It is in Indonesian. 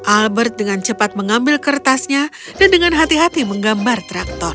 albert dengan cepat mengambil kertasnya dan dengan hati hati menggambar traktor